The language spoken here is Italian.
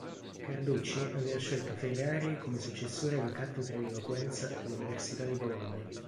Carducci aveva scelto Ferrari come successore alla cattedra di eloquenza dell'Università di Bologna.